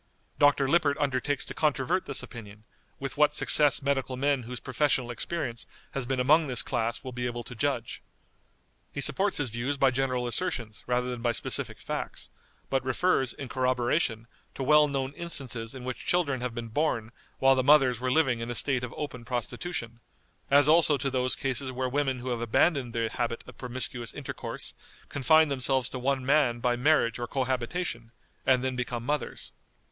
Dr. Lippert undertakes to controvert this opinion, with what success medical men whose professional experience has been among this class will be able to judge. He supports his views by general assertions rather than by specific facts, but refers, in corroboration, to well known instances in which children have been born while the mothers were living in a state of open prostitution, as also to those cases where women who have abandoned the habit of promiscuous intercourse confine themselves to one man by marriage or cohabitation, and then become mothers.